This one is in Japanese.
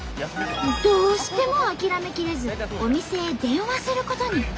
どうしても諦めきれずお店へ電話することに。